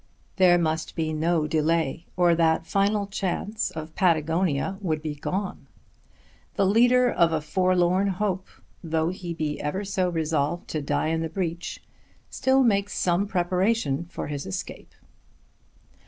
There must be no delay, or that final chance of Patagonia would be gone. The leader of a forlorn hope, though he be ever so resolved to die in the breach, still makes some preparation for his escape.